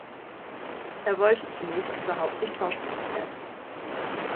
Er wollte zunächst überhaupt nicht Schauspieler werden.